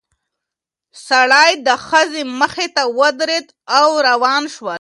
سړی د ښځې مخې ته ودرېد او روان شول.